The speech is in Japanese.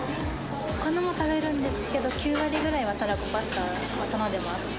ほかのも食べるんですけど、９割ぐらいはたらこパスタは頼んでます。